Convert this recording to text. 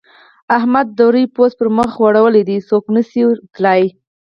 احمد د روې پوست پر مخ غوړولی دی؛ څوک نه شي ور تلای.